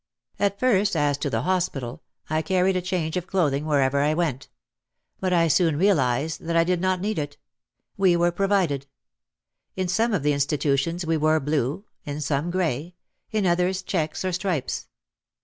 At first, as to the hospital, I carried a change of cloth ing wherever I went. But I soon realised that I did not need it. We were provided. In some of the institu tions we wore blue, in some grey, in others checks or stripes.